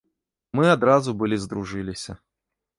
Мы адразу былі здружыліся.